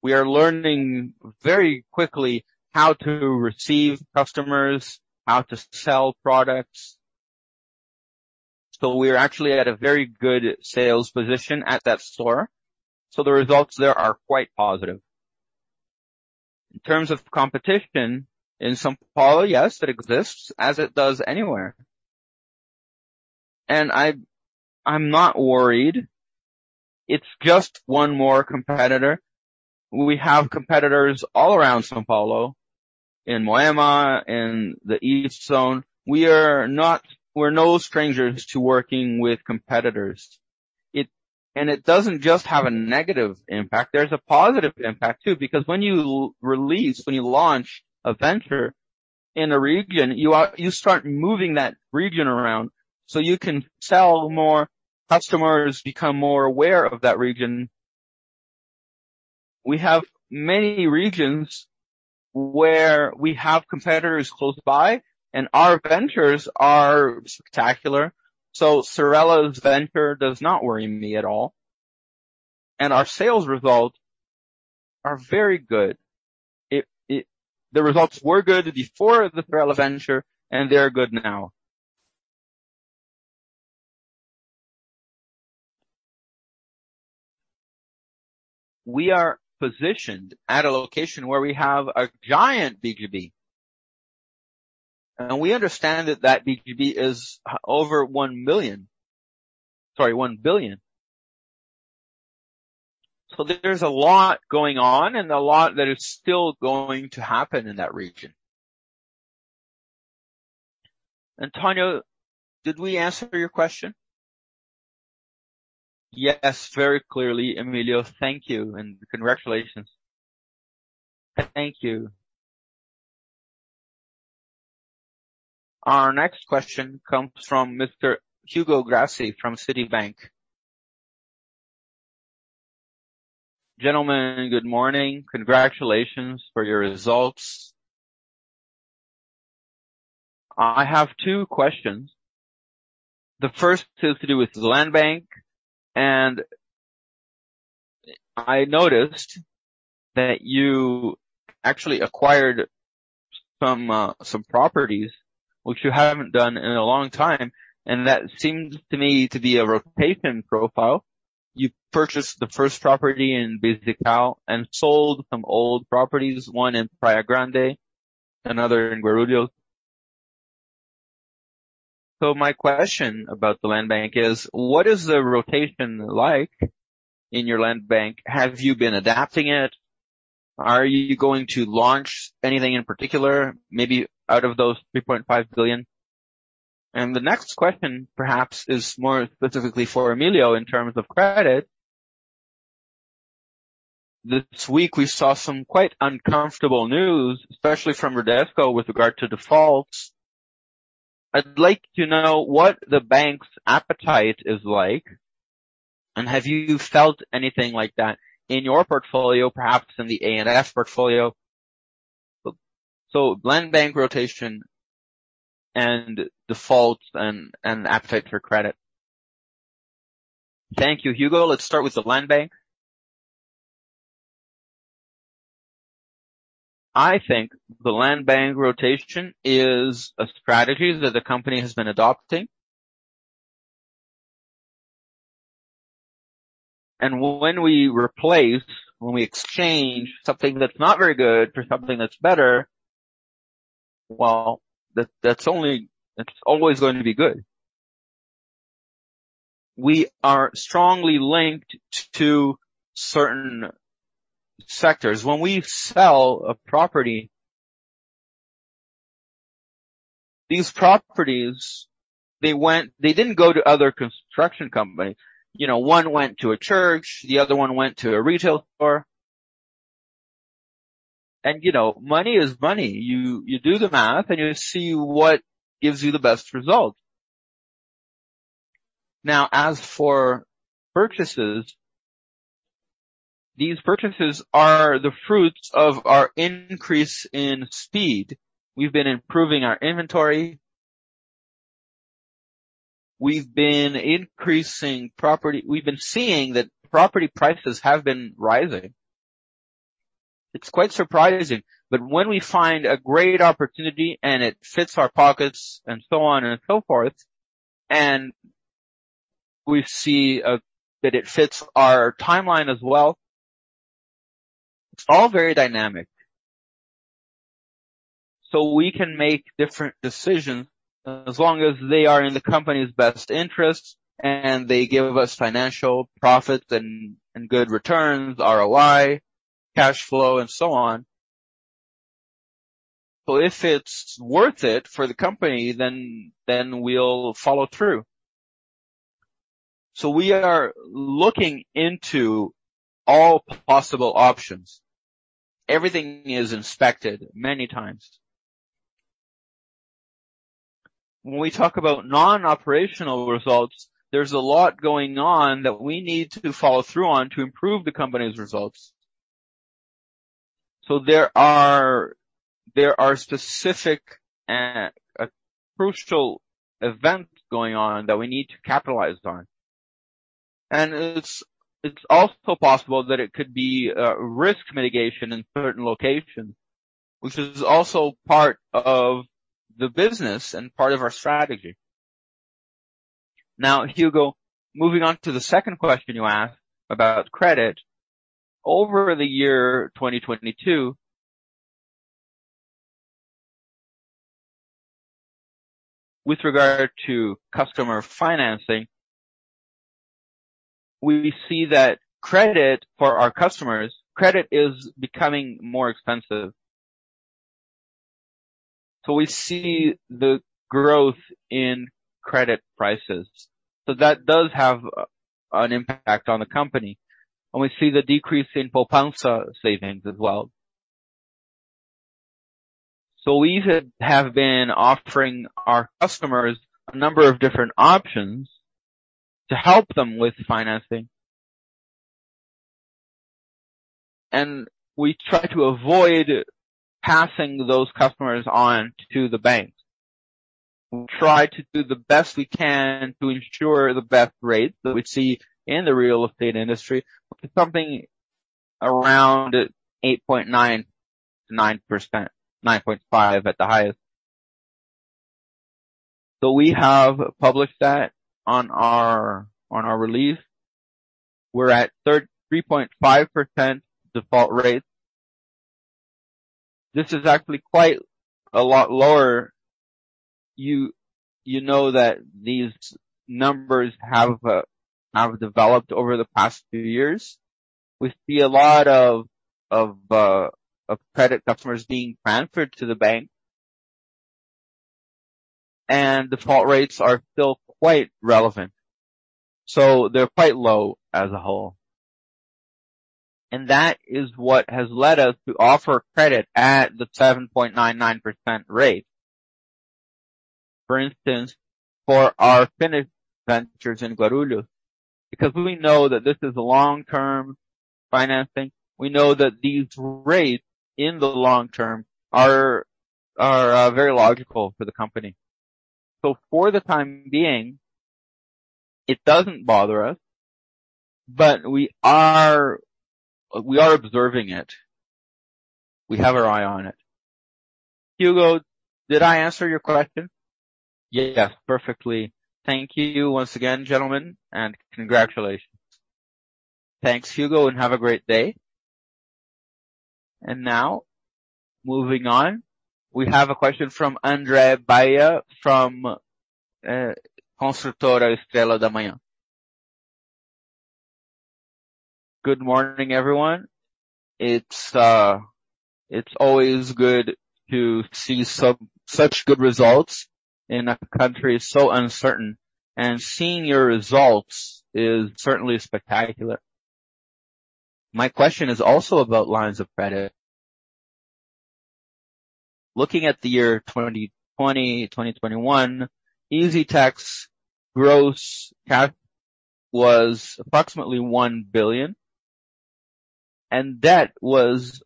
learning very quickly how to receive customers, how to sell products. We are actually at a very good sales position at that store. The results there are quite positive. In terms of competition in São Paulo, yes, it exists as it does anywhere. I'm not worried. It's just one more competitor. We have competitors all around São Paulo, in Moema, in the East Zone. We're no strangers to working with competitors. And it doesn't just have a negative impact. There's a positive impact too, because when you release, when you launch a venture in a region, you start moving that region around so you can sell more, customers become more aware of that region. We have many regions where we have competitors close by, and our ventures are spectacular. Cyrela's venture does not worry me at all. Our sales results are very good. The results were good before the Cyrela venture, and they are good now. We are positioned at a location where we have a giant VGV, and we understand that VGV is over 1 million. Sorry, 1 billion. So there's a lot going on and a lot that is still going to happen in that region. Antonio, did we answer your question? Yes, very clearly, Emílio. Thank you and congratulations. Thank you. Our next question comes from Mr. Hugo Grassi from Citibank. Gentlemen, good morning. Congratulations for your results. I have two questions. The first has to do with the land bank. I noticed that you actually acquired some properties, which you haven't done in a long time, and that seems to me to be a rotation profile. You purchased the first property in EZCAL and sold some old properties, one in Praia Grande, another in Guarulhos. My question about the land bank is, what is the rotation like in your land bank? Have you been adapting it? Are you going to launch anything in particular, maybe out of those 3.5 billion? The next question perhaps is more specifically for Emílio in terms of credit. This week we saw some quite uncomfortable news, especially from Bradesco, with regard to defaults. I'd like to know what the bank's appetite is like, and have you felt anything like that in your portfolio, perhaps in the A&F portfolio? Land bank rotation and defaults and appetite for credit. Thank you, Hugo. Let's start with the land bank. I think the land bank rotation is a strategy that the company has been adopting. When we exchange something that's not very good for something that's better, well, that's always going to be good. We are strongly linked to certain sectors. When we sell a property, these properties, they didn't go to other construction companies. You know, one went to a church, the other one went to a retail store. You know, money is money. You do the math, and you see what gives you the best result. Now, as for purchases, these purchases are the fruits of our increase in speed. We've been improving our inventory. We've been increasing property. We've been seeing that property prices have been rising. It's quite surprising. When we find a great opportunity and it fits our pockets and so on and so forth, and we see that it fits our timeline as well, it's all very dynamic. We can make different decisions as long as they are in the company's best interests, and they give us financial profits and good returns, ROI, cash flow, and so on. If it's worth it for the company, then we'll follow through. We are looking into all possible options. Everything is inspected many times. When we talk about non-operational results, there's a lot going on that we need to follow through on to improve the company's results. There are specific and a crucial event going on that we need to capitalize on. It's also possible that it could be risk mitigation in certain locations, which is also part of the business and part of our strategy. Now, Hugo, moving on to the second question you asked about credit. Over the year 2022. With regard to customer financing, we see that credit for our customers is becoming more expensive. So we see the growth in credit prices. So that does have an impact on the company. We see the decrease in poupança savings as well. So we have been offering our customers a number of different options to help them with financing. We try to avoid passing those customers on to the banks. We try to do the best we can to ensure the best rates that we see in the real estate industry with something around 8.9%-9%, 9.5% at the highest. We have published that on our release. We're at 3.5% default rate. This is actually quite a lot lower. You know that these numbers have developed over the past few years. We see a lot of credit customers being transferred to the bank. Default rates are still quite relevant, so they're quite low as a whole. That is what has led us to offer credit at the 7.99% rate. For instance, for our finished ventures in Guarulhos, because we know that this is long-term financing. We know that these rates in the long term are very logical for the company. For the time being, it doesn't bother us, but we are observing it. We have our eye on it. Hugo, did I answer your question? Yes, perfectly. Thank you once again, gentlemen, and congratulations. Thanks, Hugo, and have a great day. Now moving on. We have a question from André Baia from Construtora Estrela da Manhã. Good morning, everyone. It's always good to see such good results in a country so uncertain, and seeing your results is certainly spectacular. My question is also about lines of credit. Looking at the year 2020, 2021, EZTEC VGV was approximately 1 billion, and debt was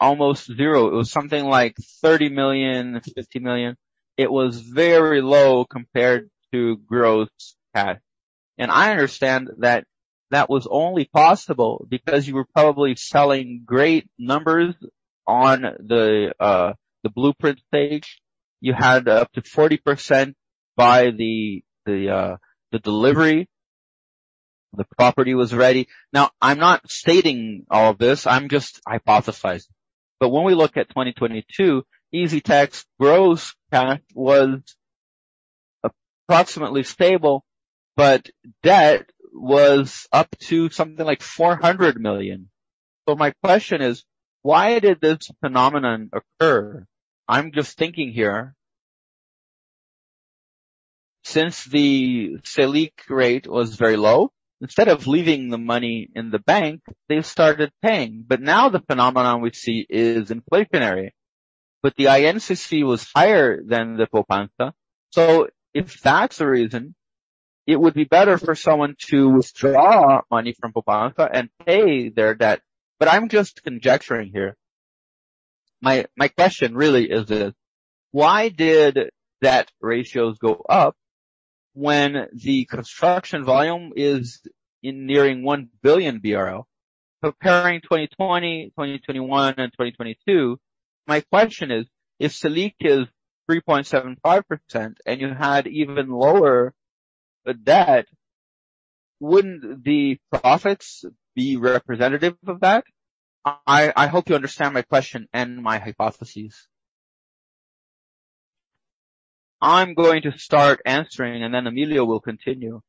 almost zero. It was something like 30 million, 50 million. It was very low compared to VGV. I understand that that was only possible because you were probably selling great numbers on the blueprint stage. You had up to 40% by the delivery. The property was ready. Now, I'm not stating all of this, I'm just hypothesizing. When we look at 2022, EZTEC gross cap was approximately stable, but debt was up to something like 400 million. My question is, why did this phenomenon occur? I'm just thinking here. Since the Selic rate was very low, instead of leaving the money in the bank, they started paying. Now the phenomenon we see is inflationary. The INCC was higher than the poupança. If that's the reason, it would be better for someone to withdraw money from poupança and pay their debt. I'm just conjecturing here. My question really is this: Why did debt ratios go up when the construction volume is nearing 1 billion BRL? Comparing 2020, 2021 and 2022, my question is: If Selic is 3.75% and you had even lower debt, wouldn't the profits be representative of that? I hope you understand my question and my hypothesis. I'm going to start answering, and then Emílio will continue.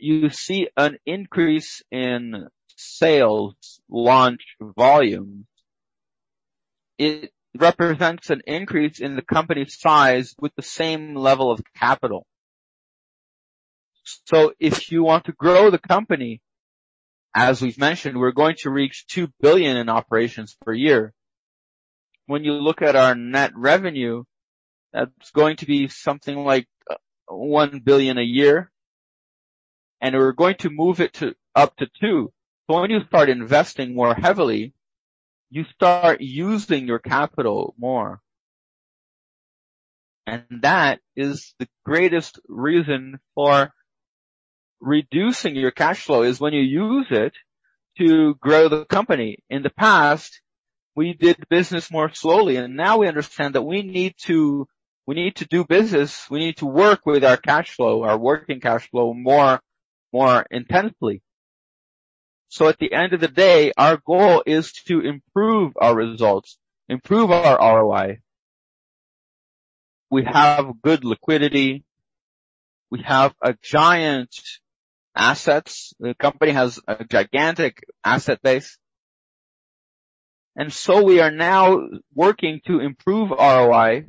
You see an increase in sales launch volume. It represents an increase in the company size with the same level of capital. If you want to grow the company, as we've mentioned, we're going to reach 2 billion in operations per year. When you look at our net revenue, that's going to be something like 1 billion a year. We're going to move it up to 2 billion. When you start investing more heavily, you start using your capital more. That is the greatest reason for reducing your cash flow, is when you use it to grow the company. In the past, we did business more slowly, and now we understand that we need to do business. We need to work with our cash flow, our working cash flow more intensely. At the end of the day, our goal is to improve our results, improve our ROI. We have good liquidity. We have giant assets. The company has a gigantic asset base. We are now working to improve ROI.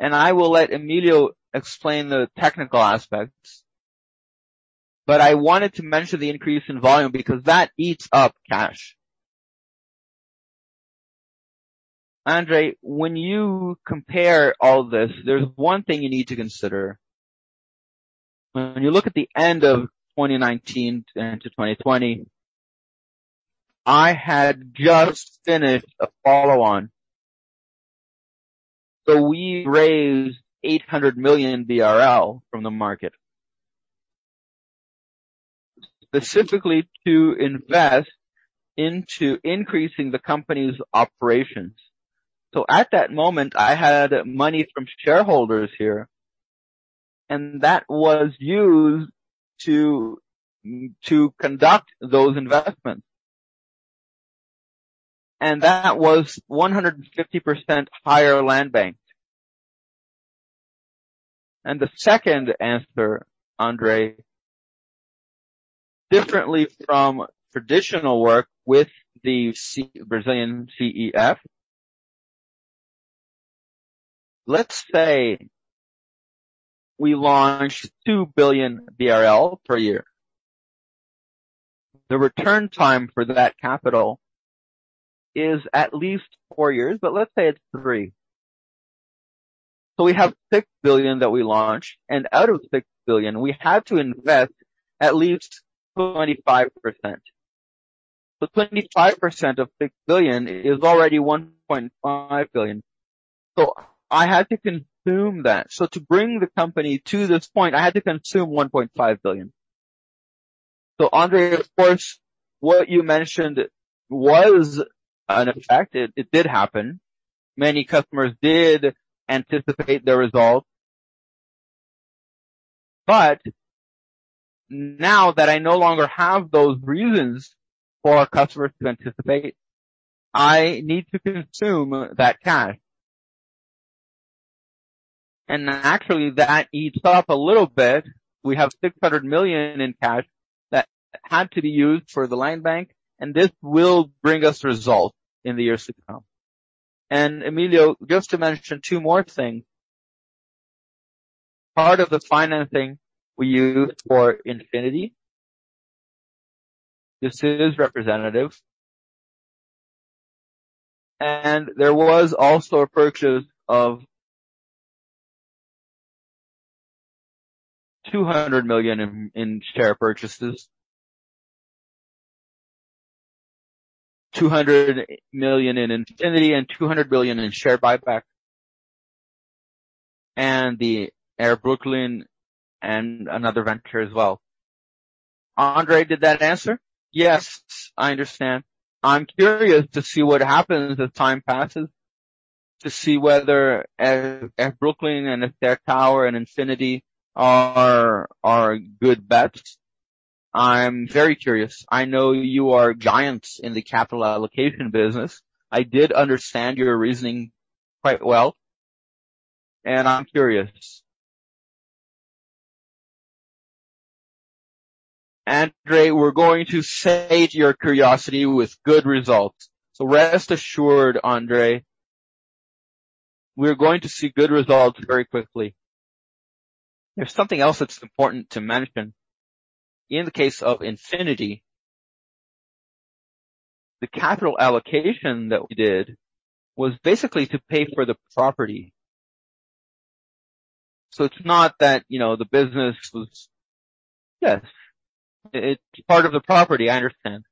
I will let Emílio explain the technical aspects. I wanted to mention the increase in volume because that eats up cash. André, when you compare all this, there's one thing you need to consider. When you look at the end of 2019 to 2020, I had just finished a follow-on. We raised 800 million BRL from the market specifically to invest into increasing the company's operations. At that moment, I had money from shareholders here, and that was used to conduct those investments. That was 100% higher land bank. The second answer, André, differently from traditional work with the Brazilian CEF, let's say we launched 2 billion BRL per year. The return time for that capital is at least four years, but let's say it's three. We have BRL 6 billion that we launched, and out of BRL 6 billion, we had to invest at least 25%. 25% of 6 billion is already 1.5 billion. I had to consume that. To bring the company to this point, I had to consume 1.5 billion. André, of course, what you mentioned was an effect. It did happen. Many customers did anticipate the results. Now that I no longer have those reasons for our customers to anticipate, I need to consume that cash. Actually, that eats up a little bit. We have 600 million in cash that had to be used for the land bank, and this will bring us results in the years to come. Emílio, just to mention two more things. Part of the financing we used for Infinity. This is representative. There was also a purchase of 200 million in share purchases. 200 million in Infinity and 200 million in share buyback, and the Air Brooklin and another venture as well. André, did that answer? Yes, I understand. I'm curious to see what happens as time passes, to see whether Air Brooklin, Esther Towers and Infinity are good bets. I'm very curious. I know you are giants in the capital allocation business. I did understand your reasoning quite well, and I'm curious. André, we're going to settle your curiosity with good results. Rest assured, André, we're going to see good results very quickly. There's something else that's important to mention. In the case of Infinity, the capital allocation that we did was basically to pay for the property. It's not that, you know, the business was. Yes. It's part of the property, I understand.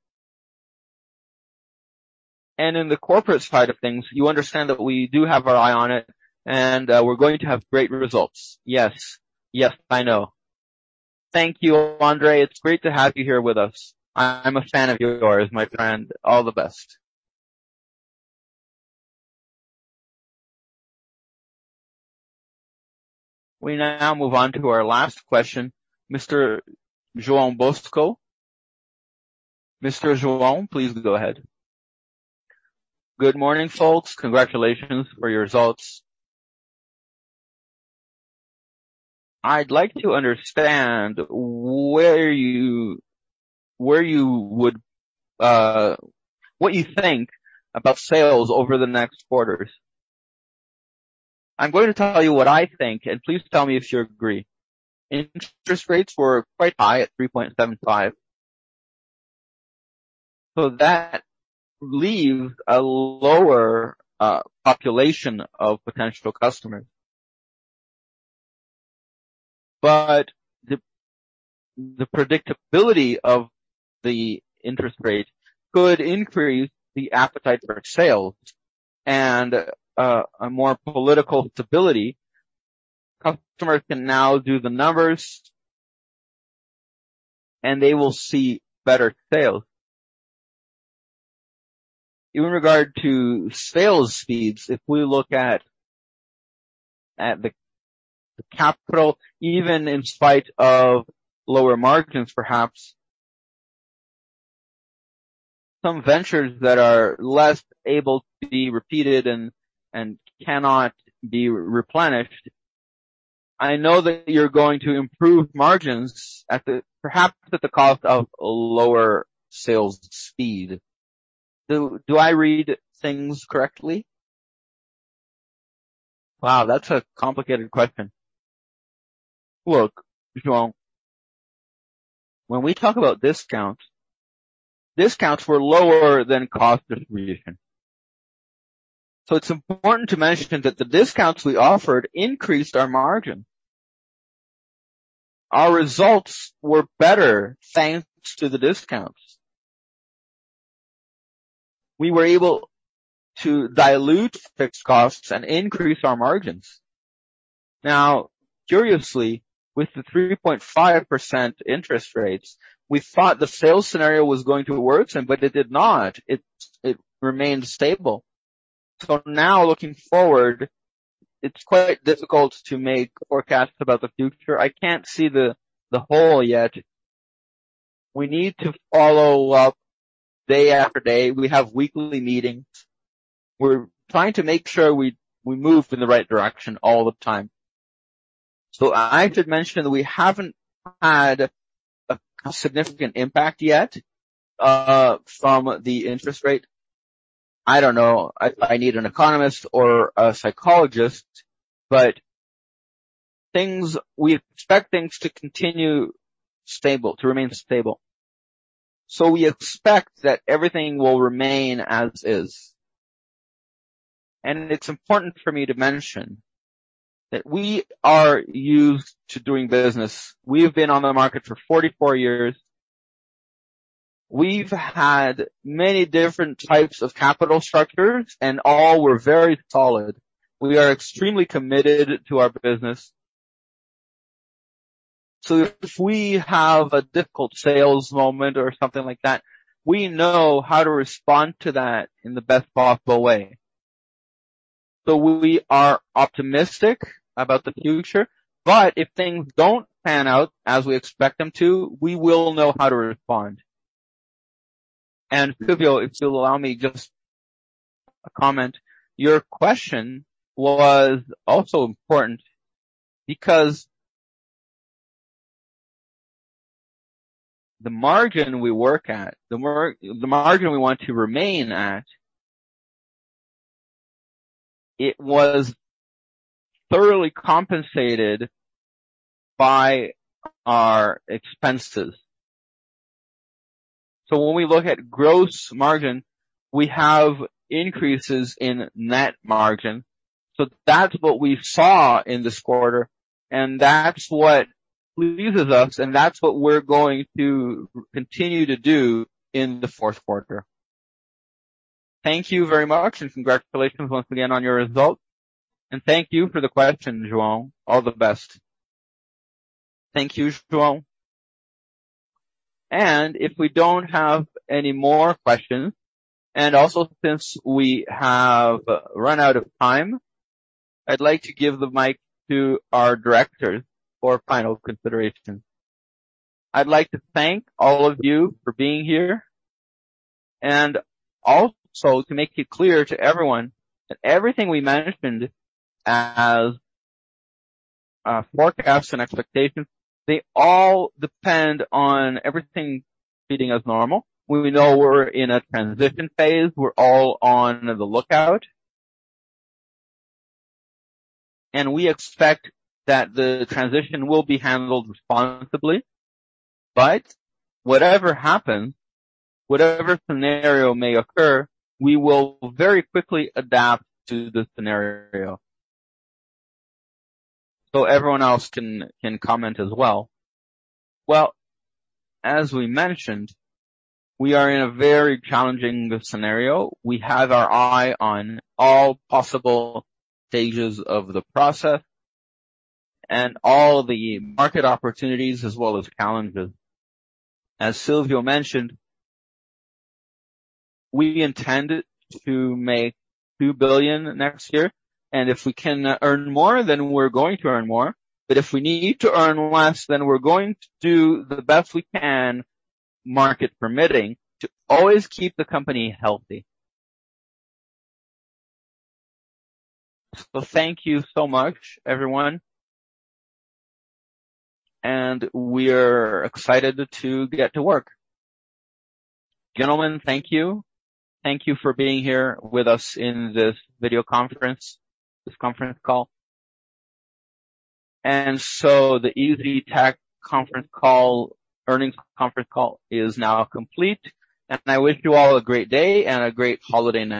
In the corporate side of things, you understand that we do have our eye on it, and we're going to have great results. Yes. Yes, I know. Thank you, André. It's great to have you here with us. I'm a fan of yours, my friend. All the best. We now move on to our last question. Mr. João Bosco. Mr. João, please go ahead. Good morning, folks. Congratulations for your results. I'd like to understand what you think about sales over the next quarters. I'm going to tell you what I think, and please tell me if you agree. Interest rates were quite high at 3.75%. That leaves a lower population of potential customers. The predictability of the interest rate could increase the appetite for sales and a more political stability. Customers can now do the numbers and they will see better sales. In regard to sales speeds, if we look at the capital, even in spite of lower margins perhaps, some ventures that are less able to be repeated and cannot be replenished, I know that you're going to improve margins at the cost of lower sales speed. Do I read things correctly? Wow, that's a complicated question. Look, João, when we talk about discounts were lower than cost of revision. It's important to mention that the discounts we offered increased our margin. Our results were better, thanks to the discounts. We were able to dilute fixed costs and increase our margins. Now, curiously, with the 3.5% interest rates, we thought the sales scenario was going to worsen, but it did not. It remained stable. Now, looking forward, it's quite difficult to make forecasts about the future. I can't see the whole yet. We need to follow up day after day. We have weekly meetings. We're trying to make sure we move in the right direction all the time. I should mention that we haven't had a significant impact yet, from the interest rate. I don't know. I need an economist or a psychologist, but things, we expect things to continue stable, to remain stable. We expect that everything will remain as is. It's important for me to mention that we are used to doing business. We have been on the market for 44 years. We've had many different types of capital structures, and all were very solid. We are extremely committed to our business. If we have a difficult sales moment or something like that, we know how to respond to that in the best possible way. We are optimistic about the future, but if things don't pan out as we expect them to, we will know how to respond. Silvio, if you'll allow me just a comment. Your question was also important because the margin we work at, the margin we want to remain at, it was thoroughly compensated by our expenses. When we look at gross margin, we have increases in net margin. That's what we saw in this quarter, and that's what pleases us, and that's what we're going to continue to do in the fourth quarter. Thank you very much, and congratulations once again on your results. Thank you for the question, João. All the best. Thank you, João. If we don't have any more questions, and also since we have run out of time, I'd like to give the mic to our directors for final consideration. I'd like to thank all of you for being here, and also to make it clear to everyone that everything we mentioned as forecasts and expectations, they all depend on everything treating us normal. We know we're in a transition phase. We're all on the lookout. We expect that the transition will be handled responsibly. Whatever happens, whatever scenario may occur, we will very quickly adapt to the scenario. Everyone else can comment as well. Well, as we mentioned, we are in a very challenging scenario. We have our eye on all possible stages of the process and all the market opportunities as well as calendars. As Silvio mentioned, we intend to make 2 billion next year, and if we can earn more, then we're going to earn more. If we need to earn less, then we're going to do the best we can, market permitting, to always keep the company healthy. Thank you so much, everyone. We're excited to get to work. Gentlemen, thank you. Thank you for being here with us in this video conference, this conference call. The EZTEC conference call, earnings conference call is now complete. I wish you all a great day and a great holiday next.